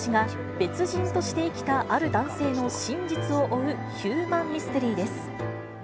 別人として生きたある男性の真実を追うヒューマンミステリーです。